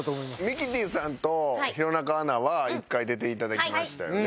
ミキティさんと弘中アナは１回出ていただきましたよね。